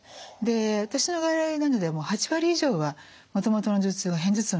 私の外来などでも８割以上はもともとの頭痛は片頭痛の方ですね。